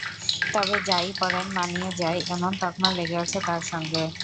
তবে যা-ই পরেন, মানিয়ে যায় এমন তকমা লেগে গেছে তাঁর সঙ্গে।